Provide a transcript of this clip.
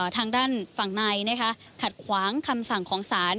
ทางด้านฝั่งในขัดขวางคำสั่งของศาล